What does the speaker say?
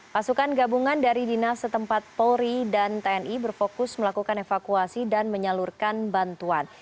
pasukan gabungan dari dinas setempat polri dan tni berfokus melakukan evakuasi dan menyalurkan bantuan